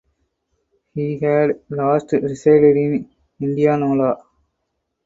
He had last resided in Indianola.